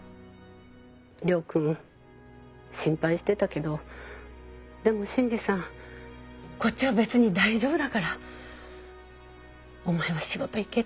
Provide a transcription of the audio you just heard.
亮君心配してたけどでも新次さんこっちは別に大丈夫だからお前は仕事行けって。